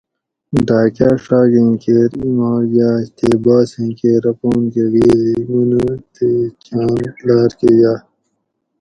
ڈاۤکاۤ ڛاگیں کیر ایماک یاۤش تے باسیں کیر اپانکہ غیزی منوتے چھاۤں لارۤ کہۤ یاۤئ